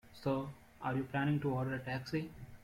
So, are you planning to order a taxi?